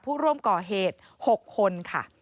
ผู้ร่วมก่อเหตุ๖คนค่ะ